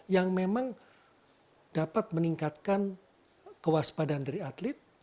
yang memang dapat meningkatkan kewaspadaan dari atlet